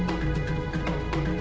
jag trap unianeral